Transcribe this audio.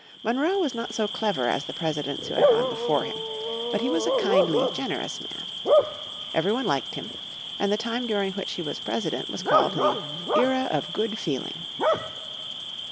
Monroe was not so clever as the presidents who had gone before him. But he was a kindly, generous man. Every one liked him, and the time during which he was President was called the "era of good feeling."